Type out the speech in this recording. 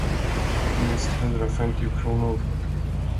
Minst hundrafemtio kronor.